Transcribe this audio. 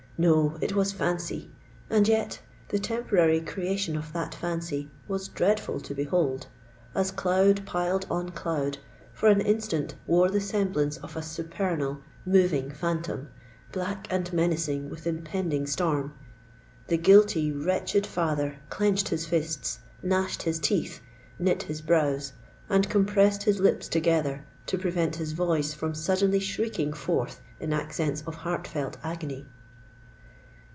No: it was fancy—and yet the temporary creation of that fancy was dreadful to behold,—as cloud piled on cloud, for an instant wore the semblance of a supernal, moving phantom, black and menacing with impending storm! The guilty, wretched father clenched his fists—gnashed his teeth—knit his brows—and compressed his lips together to prevent his voice from suddenly shrieking forth in accents of heart felt agony.